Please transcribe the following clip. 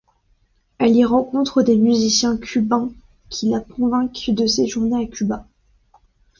Elle y rencontre des musiciens cubains qui la convainquent de séjourner à Cuba.